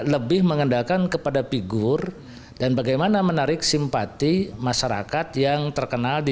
lebih mengendalkan kepada figur dan bagaimana menarik simpati masyarakat yang terkenal di